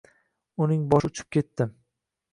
Uni boshi uchib ketdi.